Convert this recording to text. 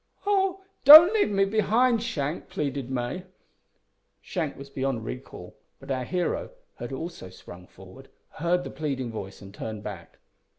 "Oh! don't leave me behind, Shank," pleaded May. Shank was beyond recall, but our hero, who had also sprung forward, heard the pleading voice and turned back.